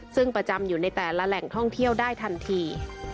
ซึ่งประจำอยู่ในแต่ละแหล่งท่องเที่ยวได้ทันที